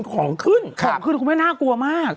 ของขึ้นแล้วคงไม่น่ากลัวมาก